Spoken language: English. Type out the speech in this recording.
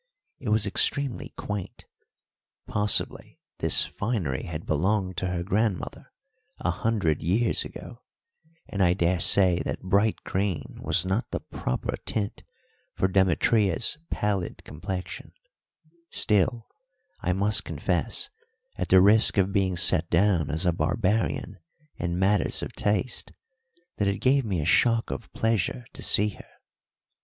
It was extremely quaint. Possibly this finery had belonged to her grandmother a hundred years ago; and I daresay that bright green was not the proper tint for Demetria's pallid complexion; still, I must confess, at the risk of being set down as a barbarian in matters of taste, that it gave me a shock of pleasure to see her.